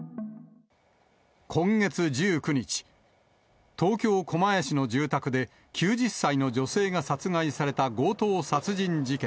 今月１９日、東京・狛江市の住宅で、９０歳の女性が殺害された強盗殺人事件。